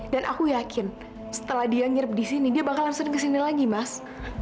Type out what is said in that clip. dan aku yakin setelah dia nginep disini dia bakal langsung kesini lagi mas